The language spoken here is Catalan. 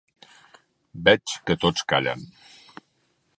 Veig que tots callen.